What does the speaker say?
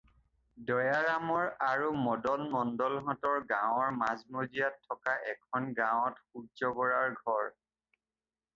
দয়াৰামৰ আৰু মদন মণ্ডলহঁতৰ গাঁৱৰ মাজামাজিত থকা এখন গাৱঁত সূৰ্য্য বৰাৰ ঘৰ।